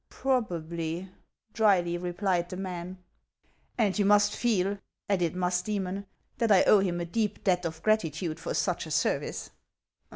" Probably," dryly replied the man. " And you must feel," added Musdcemon, " that I owe him a deep debt of gratitude for such a service."